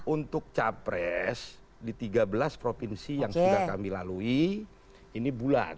untuk capres di tiga belas provinsi yang sudah kami lalui ini bulat